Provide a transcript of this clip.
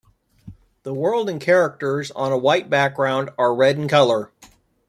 The words and characters, on a white background, are red in colour.